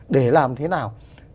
để làm thế nào